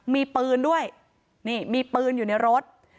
มีปืนด้วยนี่มีปืนอยู่ในรถ